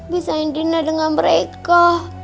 bisa dina dengan mereka